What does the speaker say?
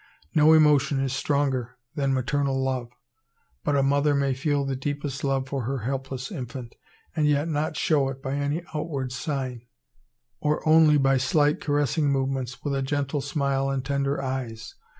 No emotion is stronger than maternal love; but a mother may feel the deepest love for her helpless infant, and yet not show it by any outward sign; or only by slight caressing movements, with a gentle smile and tender eyes.